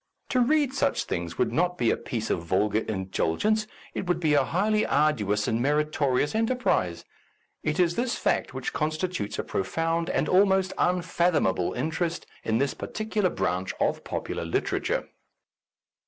To read such things would not be a piece of vulgar indulgence ; it would be a highly arduous and meritori ous enterprise. It is this fact which consti tutes a profound and almost unfathomable interest in this particular branch of popular literature.